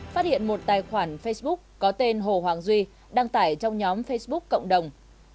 phát hiện một tài khoản facebook có tên hồ hoàng duy đăng tải trong nhóm facebook cộng đồng